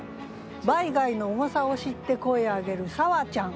「バイ貝の重さを知って声上げるさわちゃん」。